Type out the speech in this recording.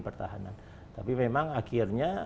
pertahanan tapi memang akhirnya